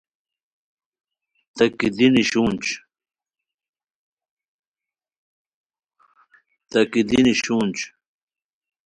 تکی دینی شونج